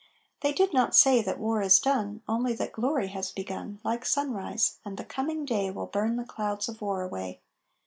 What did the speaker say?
They did not say that war is done, Only that glory has begun Like sunrise, and the coming day Will burn the clouds of war away.